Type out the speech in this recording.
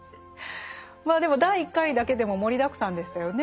まあでも第１回だけでも盛りだくさんでしたよね。